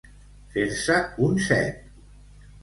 Fer-se un set.